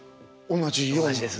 同じですね。